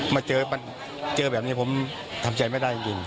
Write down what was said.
มาเจอแบบนี้ผมทำใจไม่ได้จริง